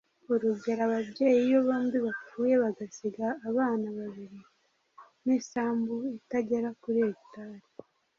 urugero: ababyeyi iyo bombi bapfuye bagasiga abana babiri n’isambu itagera kuri hegitari,